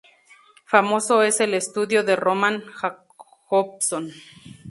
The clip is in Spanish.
Famoso es el estudio de Roman Jakobson.